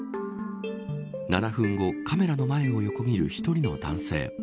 ７分後、カメラの前を横切る１人の男性。